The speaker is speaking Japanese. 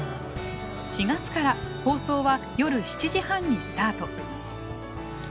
４月から放送は夜７時半にスタート。